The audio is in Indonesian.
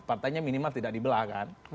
partainya minimal tidak dibelahkan